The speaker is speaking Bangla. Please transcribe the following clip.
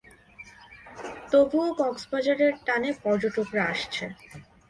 তবুও কক্সবাজারের টানে পর্যটকরা আসছে।